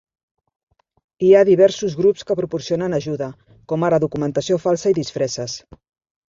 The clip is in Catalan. Hi ha diversos grups que proporcionen ajuda, com ara documentació falsa i disfresses.